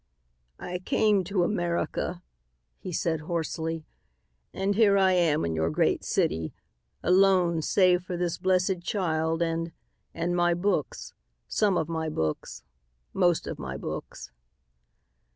"I came to America," he said hoarsely, "and here I am in your great city, alone save for this blessed child, and and my books some of my books most of my books."